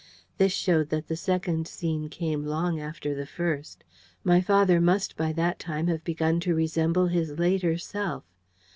This showed that the second scene came long after the first: my father must by that time have begun to resemble his later self.